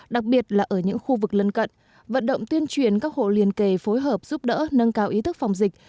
đặc biệt là ở những khu vực lân cận vận động tuyên truyền các hộ liền kề phối hợp giúp đỡ nâng cao ý thức phòng dịch